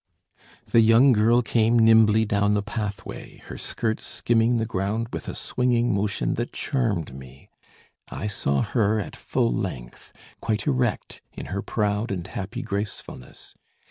The young girl came nimbly down the pathway, her skirts skimming the ground with a swinging motion that charmed me, I saw her at full length, quite erect, in her proud and happy gracefulness.